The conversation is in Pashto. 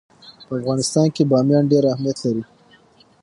په افغانستان کې بامیان ډېر اهمیت لري.